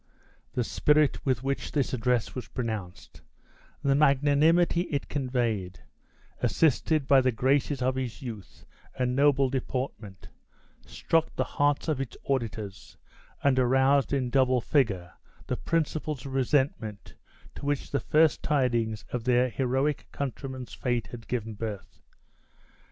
The spirit with which this address was pronounced, the magnanimity it conveyed, assisted by the graces of his youth, and noble deportment, struck the hearts of its auditors, and aroused in double vigor the principles of resentment to which the first tidings of their heroic countryman's fate had given birth.